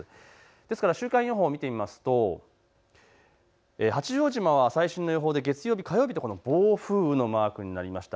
ですから週間予報を見てみますと八丈島は最新の予報で月曜日、火曜日と暴風雨のマークになりました。